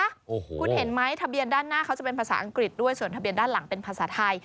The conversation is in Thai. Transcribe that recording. โอ้โหคุณเห็นไหมทะเบียนด้านหน้าเขาจะเป็นภาษาอังกฤษด้วยส่วนทะเบียนด้านหลังเป็นภาษาไทย